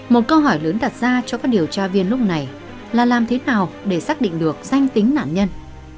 một câu hỏi lớn đặt ra cho các điều tra viên lúc này là làm thế nào để xác định được danh tính nạn nhân